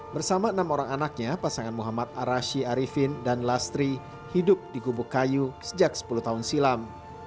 bersama enam orang anaknya pasangan muhammad arashi arifin dan lastri hidup di gubuk kayu sejak sepuluh tahun silam